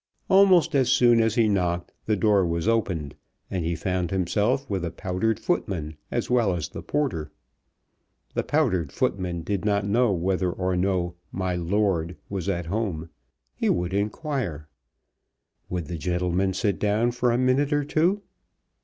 Almost as soon as he knocked the door was opened, and he found himself with a powdered footman as well as the porter. The powdered footman did not know whether or no "my lord" was at home. He would inquire. Would the gentleman sit down for a minute or two?